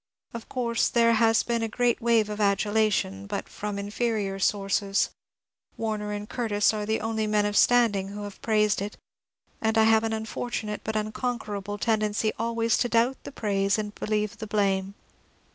Of course there has been a great wave of adulation, but from inferior sources. Warner and Curtis are the only men of standing who have praised it. THE SAX£ HOLM STORI£S 431 and I have an unfortunate but unconquerable tendency always to doubt the praise and believe the blame.